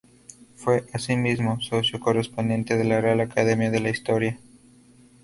Fue, asimismo, socio correspondiente de la Real Academia de la Historia.